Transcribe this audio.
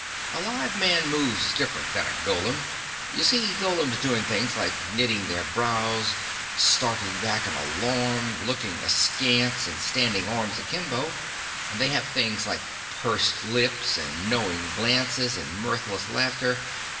A live man moves different than a golem. You see golems doing things like knitting their brows, starting back in alarm, looking askance, and standing arms akimbo. And they have things like pursed lips and knowing glances and mirthless laughter.